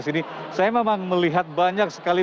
sini saya memang melihat banyak sekali